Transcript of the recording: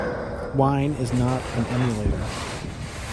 Wine is not an emulator.